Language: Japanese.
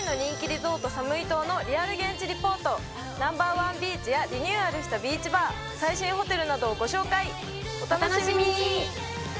リゾートサムイ島のリアル現地リポートナンバーワンビーチやリニューアルしたビーチバー最新ホテルなどをご紹介お楽しみに！